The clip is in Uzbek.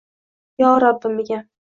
Yo Rabbim Egam